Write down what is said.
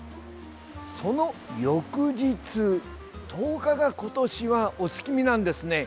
その翌日１０日が今年はお月見なんですね。